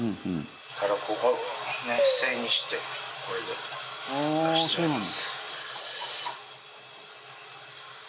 たらこを、背にしてこれで出しちゃいます。